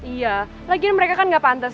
iya lagian mereka kan gak pantas